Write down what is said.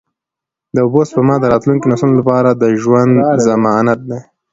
د اوبو سپما د راتلونکو نسلونو لپاره د ژوند ضمانت دی.